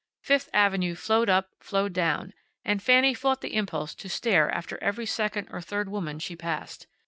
Fifth avenue flowed up, flowed down, and Fanny fought the impulse to stare after every second or third woman she passed.